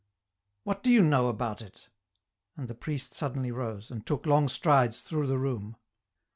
" What do you know about it ?" and the priest suddenly rose, and took long strides through the room.